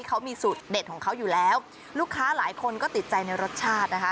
เขามีสูตรเด็ดของเขาอยู่แล้วลูกค้าหลายคนก็ติดใจในรสชาตินะคะ